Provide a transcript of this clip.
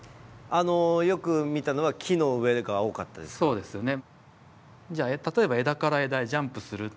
そうですよね。